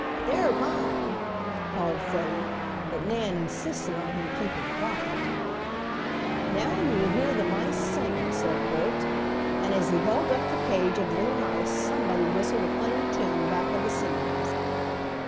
"They're mine!" called Freddie, but Nan insisted on him keeping quiet. "Now you will hear the mice sing," said Bert, and as he held up the cage of little mice somebody whistled a funny tune back of the scenes.